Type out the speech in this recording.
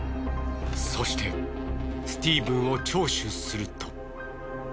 そしてスティーブンを聴取すると。